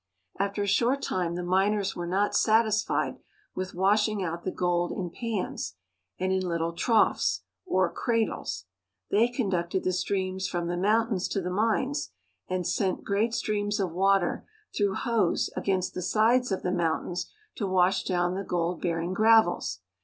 After a short time the miners were not satisfied with washing out the gold in pans and in little troughs, or cradles. They conducted the streams from the mountains to the mines and sent great streams of water through hose against the sides of the mountains to wash down the gold bearing gravels.